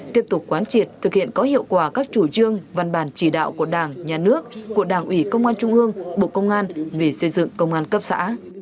tiếp tục quán triệt thực hiện có hiệu quả các chủ trương văn bản chỉ đạo của đảng nhà nước của đảng ủy công an trung ương bộ công an vì xây dựng công an cấp xã